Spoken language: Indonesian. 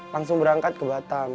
langsung berangkat ke batam